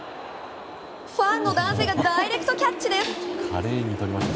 ファンの男性がダイレクトキャッチです！